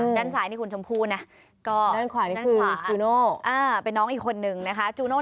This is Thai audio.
ช่างช่างได้คุณชมพูนะก็นั่นขวานี่คือจูโน่